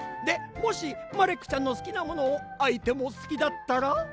でもしマレックちゃんのすきなものをあいてもすきだったら。